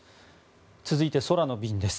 続いて空の便です。